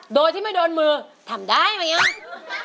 โดนที่ไม่โดนมือทำได้บ้างตรงนี้